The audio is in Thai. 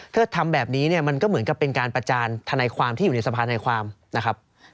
ถ้าทำแบบนี้เนี่ยมันก็เหมือนกับเป็นการประจานธนายความที่อยู่ในสภาธนายความนะครับ